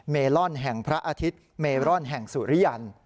เมลอนแห่งพระอาทิตย์เมลอนแห่งสุริยันทร์